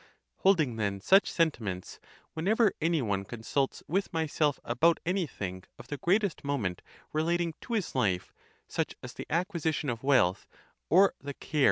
Holding then such sentiments, whenever any one consults with myself about any thing of the greatest moment relating to his life, such as the acquisition of wealth, or the care?